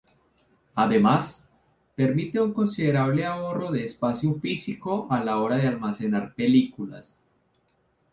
Además, permite un considerable ahorro de espacio físico a la hora de almacenar películas.